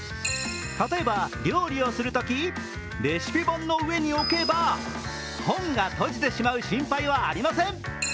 例えば、料理をするとき、レシピ本の上に置けば本が閉じてしまう心配はありません。